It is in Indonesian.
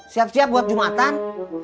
siap siap buat jumatan